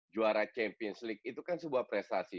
juara champions league itu kan sebuah prestasi